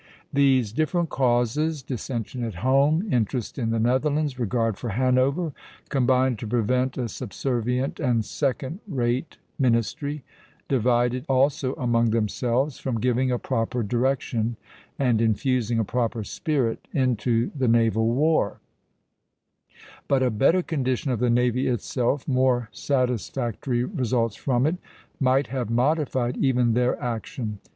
These different causes dissension at home, interest in the Netherlands, regard for Hanover combined to prevent a subservient and second rate ministry, divided also among themselves, from giving a proper direction and infusing a proper spirit into the naval war; but a better condition of the navy itself, more satisfactory results from it, might have modified even their action.